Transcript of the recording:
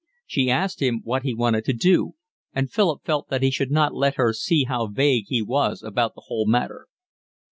She asked him what he wanted to do, and Philip felt that he should not let her see how vague he was about the whole matter.